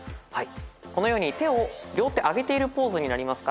このように手を両手上げているポーズになります。